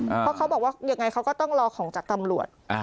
เพราะเขาบอกว่ายังไงเขาก็ต้องรอของจากตำรวจ